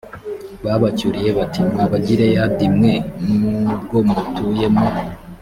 babacyuriye bati mwa bagileyadi mwe nubwo mutuye mu